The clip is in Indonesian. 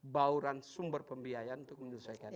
bauran sumber pembiayaan untuk menyelesaikan